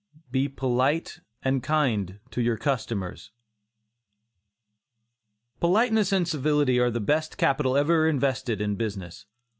BE POLITE AND KIND TO YOUR CUSTOMERS. Politeness and civility are the best capital ever invested in business.